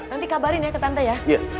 nanti kabarin ya ke tante ya